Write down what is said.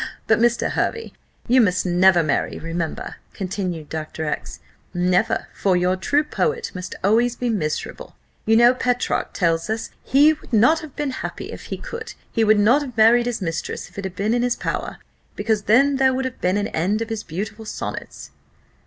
But, Mr. Hervey, you must never marry, remember," continued Dr. X , "never for your true poet must always be miserable. You know Petrarch tells us, he would not have been happy if he could; he would not have married his mistress if it had been in his power; because then there would have been an end of his beautiful sonnets."